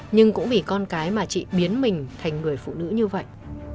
nhưng cũng vì con cái mà chị biến mình thành người phụ nữ như vậy